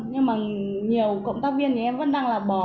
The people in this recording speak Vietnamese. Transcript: nhưng mà nhiều cộng tác viên thì em vẫn đăng là bò